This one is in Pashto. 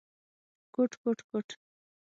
کوټ، کوټ ، کوټ ….